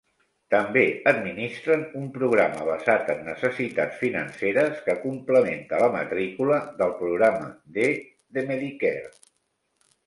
També administren un programa basat en necessitats financeres que complementa la matrícula del programa D de Medicare.